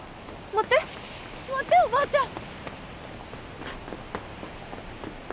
待っておばあちゃん！